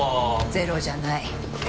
ゼロじゃない。